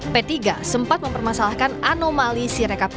p tiga sempat mempermasalahkan anomali sirekap